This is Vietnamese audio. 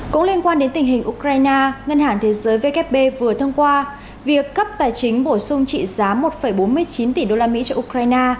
cũng liên quan đến tình hình ukraine ngân hàng thế giới vkp vừa thông qua việc cấp tài chính bổ sung trị giá một bốn mươi chín tỷ usd cho ukraine